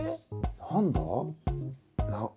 何だ？